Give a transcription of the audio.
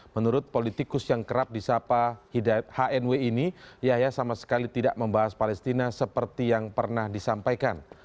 menurut politikus yang kerap disapa hidayat hnw ini yahya sama sekali tidak membahas palestina seperti yang pernah disampaikan